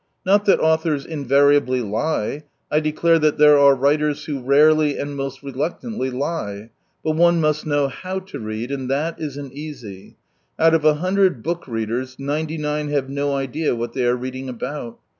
Not that authors invariably lie. I declare that there are writers who rarely and most reluctantly lie. But one must know how to read, and that isn't easy. Out of a hundred book readers ninety nine have no idea what they are reading about.